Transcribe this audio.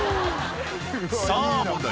「さぁ問題